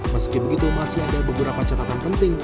meski begitu masih ada beberapa catatan penting